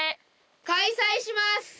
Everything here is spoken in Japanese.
開催します！